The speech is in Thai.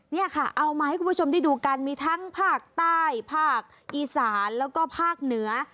เนี่ยค่ะเอามาให้คุณผู้ชมได้ดูกันมีทั้งภาคใต้ภาคอีสานแล้วก็ภาคเหนือ